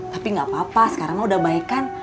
tapi gak apa apa sekarang udah baikan